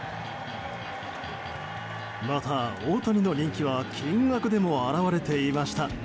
また、大谷の人気は金額でも表れていました。